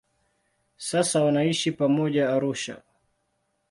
Sasa wanaishi pamoja Arusha.